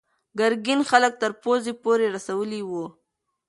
ګرګین خلک تر پوزې پورې رسولي وو.